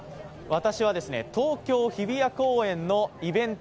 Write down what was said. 私は東京・日比谷公園のイベント